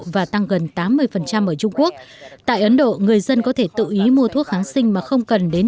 và tăng gần tám mươi ở trung quốc tại ấn độ người dân có thể tự ý mua thuốc kháng sinh mà không cần đến